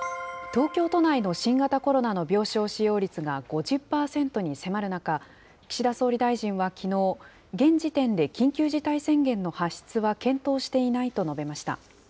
東京都内の新型コロナの病床使用率が５０％に迫る中、岸田総理大臣はきのう、現時点で緊急事態宣言の発出は検討していないと述べました。